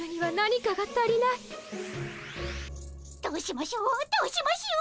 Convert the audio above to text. どうしましょうどうしましょう。